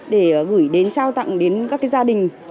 để gửi đến trao tặng đến các gia đình